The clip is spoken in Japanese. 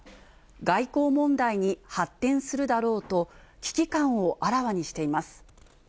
外交問題に発展するだろうと、危機感をあらわにしています。